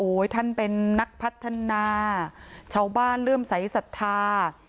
โอ้ยท่านเป็นนักพัฒนาชาวบ้านเริ่มสายศรัทธา